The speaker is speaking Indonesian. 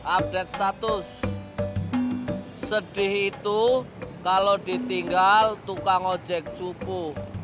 update status sedih itu kalau ditinggal tukang ojek cuku